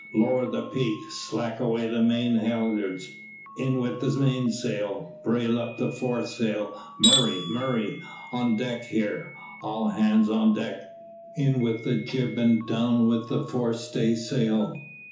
"Lower the peak, slack away the main halyards, in with the mainsail, brail up the foresail! Murray, Murray! on deck here; all hands on deck! In with the jib and down with the fore staysail!"